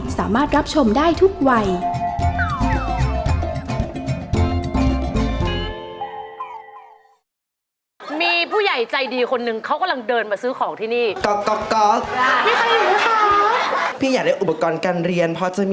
สามารถรับชมได้ทุกวัย